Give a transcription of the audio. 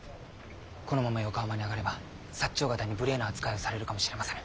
このまま横浜に上がれば長方に無礼な扱いをされるかもしれませぬ。